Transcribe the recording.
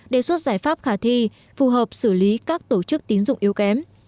đề xuất giải pháp khả thi phù hợp xử lý các tổ chức tín dụng yếu kém